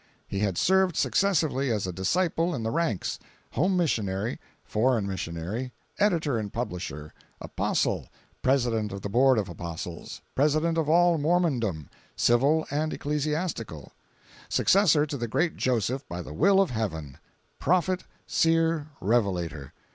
He had served successively as a disciple in the ranks; home missionary; foreign missionary; editor and publisher; Apostle; President of the Board of Apostles; President of all Mormondom, civil and ecclesiastical; successor to the great Joseph by the will of heaven; "prophet," "seer," "revelator."